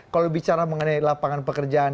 kalau bicara mengenai lapangan pekerjaan